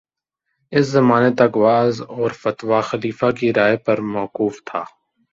اس زمانے تک وعظ اور فتویٰ خلیفہ کی رائے پر موقوف تھا